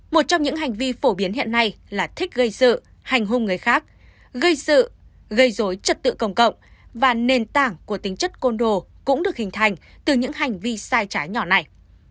một trong những hành vi phổ biến hiện nay là thích gây sự hành hung người khác gây sự gây dối trật tự công cộng và nền tảng của tính chất côn đồ cũng được hình thành từ những hành vi sai trái nhỏ này